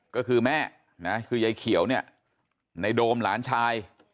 ก็คือแม่นะคือยายเขียวเนี่ยในโดมหลานชาย